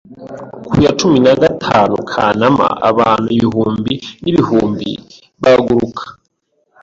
Ku ya cumi na gatanu Kanama, abantu ibihumbi n'ibihumbi baguruka